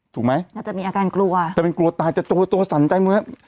ถูกไหมอาจจะมีอาการกลัวจะเป็นกลัวตายจะตัวตัวสั่นใจเหมือน